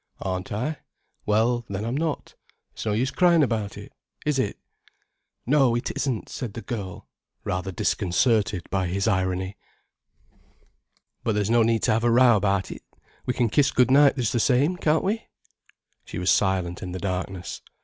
_" "Aren't I? Well, then I'm not. It's no use crying about it, is it?" "No, it isn't," said the girl, rather disconcerted by his irony. "But there's no need to have a row about it. We can kiss good night just the same, can't we?" She was silent in the darkness.